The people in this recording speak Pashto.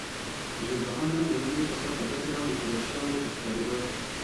ژیړبخون لم د وریجو په سر په داسې ډول ایښودل شوی و چې ښکارېده.